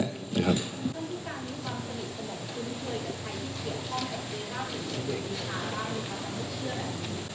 มีคำตอบทั้งหมดอยู่แล้วที่พูดไปเยอะแล้วนะครับ